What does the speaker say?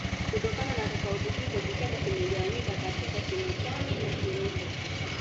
Kutokana na tofauti hizo Kichagga kimegawanyika katika Kimachamena Kirombo